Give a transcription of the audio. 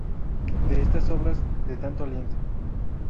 De estas obras de tanto aliento.